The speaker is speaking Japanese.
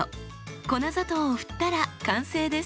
粉砂糖を振ったら完成です。